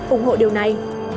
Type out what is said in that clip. ủng hộ điều này